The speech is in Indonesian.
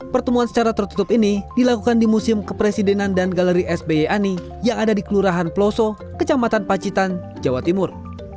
pertemuan secara tertutup ini dilakukan di museum kepresidenan dan galeri sby ani yang ada di kelurahan peloso kecamatan pacitan jawa timur